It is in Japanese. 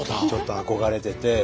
ちょっと憧れてて。